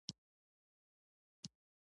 ښکاري د ژويو تر منځ ځواکمن دی.